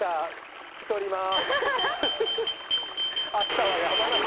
引き取りまーす。